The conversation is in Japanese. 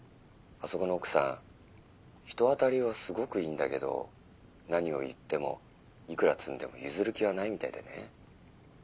あそこの奥さん人当たりはすごくいいんだけど何を言っても幾ら積んでも譲る気はないみたいでね。